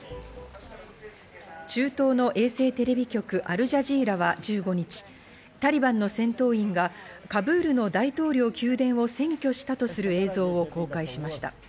中東の衛星テレビ局、アルジャジーラは１５日、タリバンの戦闘員がカブールの大統領宮殿を占拠したとする映像を公開しました。